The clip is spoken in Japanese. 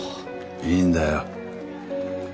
いいんだよ。